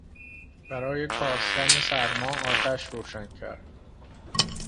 برای کاستن سرما آتش روشن کرد.